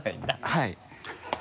はい。